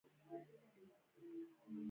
ایا زما ناروغي ارثي ده؟